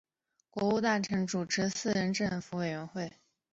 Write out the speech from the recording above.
国务大臣主持四人政府委员会。